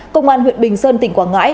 công an huyện bình sơn tỉnh quảng ngãi